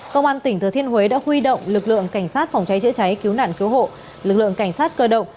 công an tỉnh thừa thiên huế đã huy động lực lượng cảnh sát phòng cháy chữa cháy cứu nạn cứu hộ lực lượng cảnh sát cơ động